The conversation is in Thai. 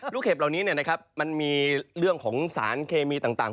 ลูกเห็บเรามีเรื่องศาลเคมีต่าง